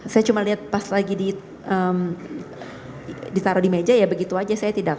saya cuma lihat pas lagi ditaruh di meja ya begitu saja saya tidak